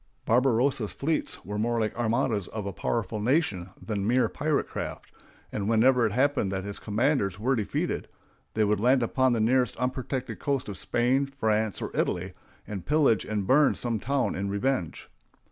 Barbarossa's fleets were more like armadas of a powerful nation than mere pirate craft; and whenever it happened that his commanders were defeated, they would land upon the nearest unprotected coast of Spain, France, or Italy, and pillage and burn some town in revenge.